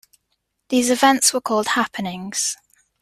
These events were called "happenings."...